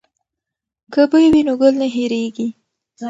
که بوی وي نو ګل نه هیرېږي.